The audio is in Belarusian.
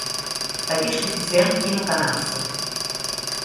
Такі ж каэфіцыент і на канадцаў.